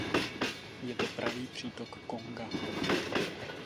Je to pravý přítok Konga.